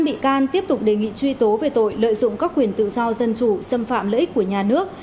năm bị can tiếp tục đề nghị truy tố về tội lợi dụng các quyền tự do dân chủ xâm phạm lợi ích của nhà nước